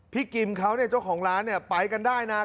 กิมเขาเนี่ยเจ้าของร้านเนี่ยไปกันได้นะ